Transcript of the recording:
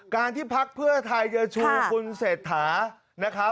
การที่ภักดิ์เพื่อไทยเจอชูคุณเศรษฐา